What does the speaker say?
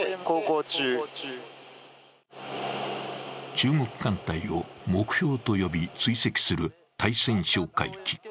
中国艦隊を目標と呼び追跡する対潜哨戒機。